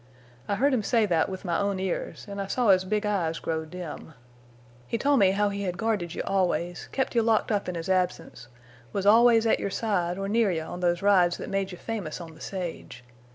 I heard him say that with my own ears, an' I saw his big eyes grow dim. He told me how he had guarded you always, kept you locked up in his absence, was always at your side or near you on those rides that made you famous on the sage.